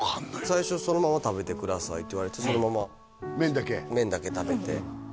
「最初そのまま食べてください」って言われてそのまま麺だけ？